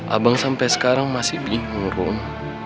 abang sampe sekarang masih bingung rum